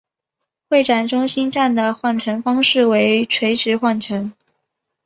会展中心站的换乘方式为垂直换乘。